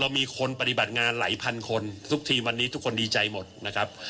มีคนปฏิบัติงานหลายพันคนทุกทีมวันนี้ทุกคนดีใจหมดนะครับ